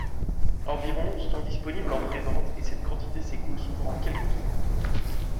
Environ sont disponibles en prévente et cette quantité s’écoule souvent en quelques heures.